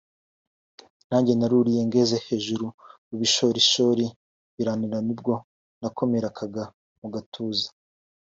« Nanjye naruriye ngeze hejuru mu bushorishori birananira nibwo nakomerekaga mu gatuza